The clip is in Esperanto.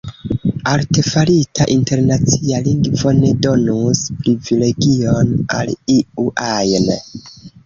Artefarita internacia lingvo ne donus privilegion al iu ajn.